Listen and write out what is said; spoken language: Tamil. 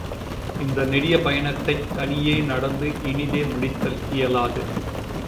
இந்த நெடிய பயணத்தைத் தனியே நடந்து இனிதே முடித்தல் இயலாது.